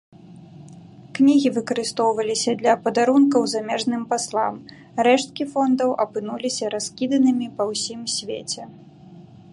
Кнігі выкарыстоўваліся для падарункаў замежным паслам, рэшткі фондаў апынуліся раскіданымі па ўсім свеце.